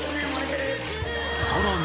［さらに］